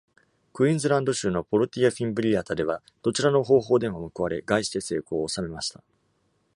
クイーンズランド州の「Portia fimbriata」では、どちらの方法でも報われ、概して成功を収めました。